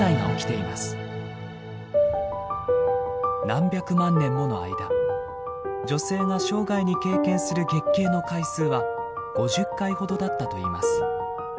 何百万年もの間女性が生涯に経験する月経の回数は５０回ほどだったといいます。